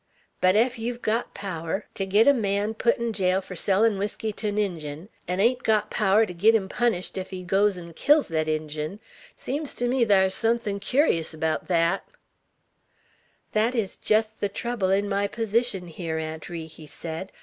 But ef yeow've got power ter git a man put in jail fur sellin' whiskey 't 'n Injun, 'n' hain't got power to git him punished ef he goes 'n' kills thet Injun, 't sems ter me thar's suthin' cur'us abaout thet." "That is just the trouble in my position here, Aunt Ri," he said.